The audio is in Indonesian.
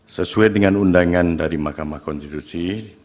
sesuai dengan undangan dari mahkamah konstitusi